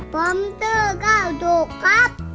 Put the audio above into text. ผมชื่อก้าวสุขครับ